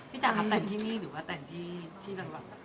พี่จ๋าครับแต่งที่นี่หรือว่าแต่งที่ด้านหลัง